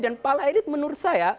dan para elit menurut saya